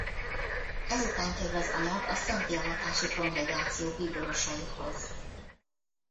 Ezután kerül az anyag a Szentté Avatási Kongregáció bíborosaihoz.